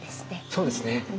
そうですねはい。